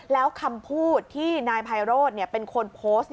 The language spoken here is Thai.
แล้วคำพูดที่นายไพโรธเป็นคนโพสต์